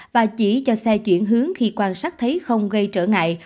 và chỉ cho xe chuyển hướng khi quan sát thấy không gây trở ngại